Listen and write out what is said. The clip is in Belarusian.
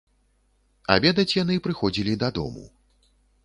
Абедаць яны прыходзілі дадому.